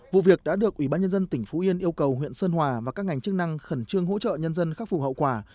vụ việc đã được ủy ban nhân dân tỉnh phú yên yêu cầu huyện sơn hòa và các ngành chức năng khẩn trương hỗ trợ nhân dân khắc phục hậu quả